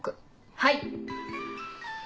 はい。